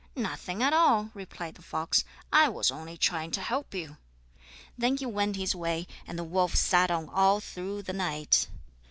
"Nothing at all," replied the fox. "I was only trying to help you." Then he went his way, and the wolf sat on all through the night.